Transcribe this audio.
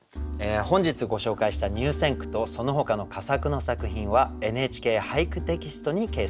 本日ご紹介した入選句とそのほかの佳作の作品は「ＮＨＫ俳句」テキストに掲載されます。